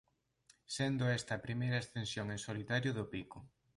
Sendo esta a primeira ascensión en solitario do pico.